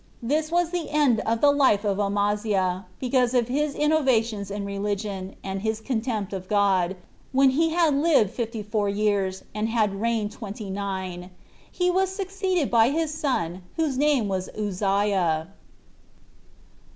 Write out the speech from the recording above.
This was the end of the life of Amaziah, because of his innovations in religion, and his contempt of God, when he had lived fifty four years, and had reigned twenty nine. He was succeeded by his son, whose name was Uzziah.